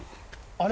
あれ？